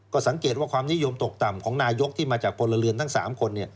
ก็สังเกตว่าความนิยมตกต่ำของนายกที่มาจากพลเรือนทั้ง๓คน